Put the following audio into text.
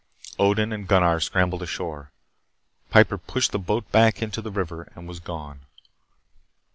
Odin and Gunnar scrambled ashore. Piper pushed the boat back into the river and was gone.